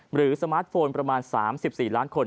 สมาร์ทโฟนประมาณ๓๔ล้านคน